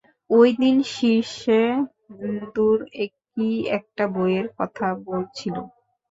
ঐ দিন শীর্ষেন্দুর কী-একটা বইয়ের কথা বলছিল।